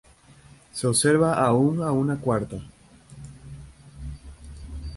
Se observa aun una cuarta.